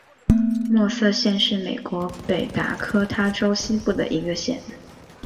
默瑟县是美国北达科他州西部的一个县。